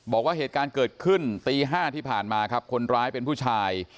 บอกว่าเหตุการณ์เกิดขึ้นตี๕ที่ผ่านมาครับคนร้ายเป็นผู้ชาย